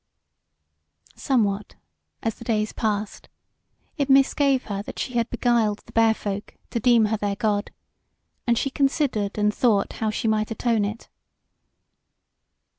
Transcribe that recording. Somewhat, as the days passed, it misgave her that she had beguiled the Bear folk to deem her their God; and she considered and thought how she might atone it.